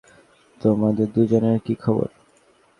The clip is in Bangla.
তোমাদের দুজনের কী খবর?